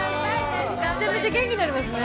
めちゃめちゃ元気になりますね。